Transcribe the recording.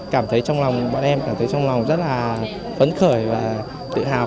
cảm thấy trong lòng bọn em cảm thấy trong lòng rất là phấn khởi và tự hào